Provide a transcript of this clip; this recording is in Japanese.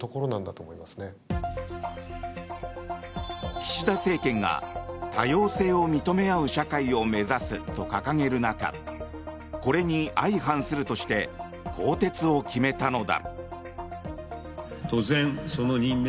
岸田政権が多様性を認め合う社会を目指すと掲げる中これに相反するとして更迭を決めたのだ。